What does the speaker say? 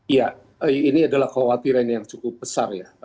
ya ini adalah kekhawatiran yang cukup besar ya